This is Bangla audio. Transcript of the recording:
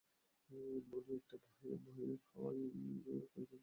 ননি একটা ভয়ের হাওয়ায় কয়দিন যেন বাঁশপাতার মতো কাঁপিতে লাগিল।